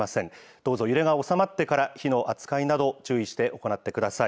どうぞ揺れが収まってから、火の扱いなど、注意して行ってください。